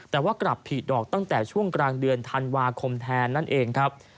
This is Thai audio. แต่ว่ากลับผิดดอกตั้งแต่ช่วงกลางเดือนธันวาคมแทนนั่นเองครับ